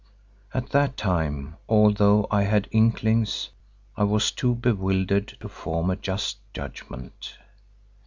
At that time, although I had inklings, I was too bewildered to form a just judgment.